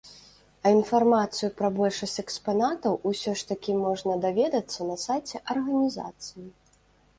А інфармацыю пра большасць экспанатаў усё ж такі можна даведацца на сайце арганізацыі.